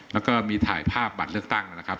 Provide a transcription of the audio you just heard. แล้วก็มีถ่ายภาพบัตรเลือกตั้งนะครับ